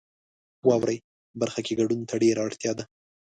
واورئ برخه کې ګډون ته ډیره اړتیا ده.